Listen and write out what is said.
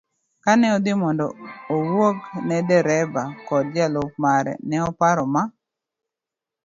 Kane odhi mondo owuog ne dereba koda jalup mare, ne oparo Ma.